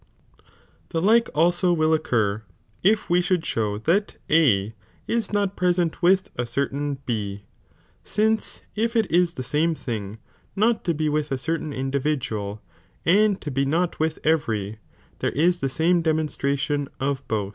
The like also will ' occur, if we should show that A is not present with a certain . B, since if it ia the same thing not to be with a certain indi iridual, and to be not with every, there is the game demon I stration of both.